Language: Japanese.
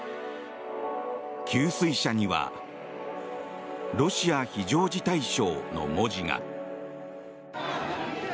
給水車には「ロシア非常事態省」の文字が。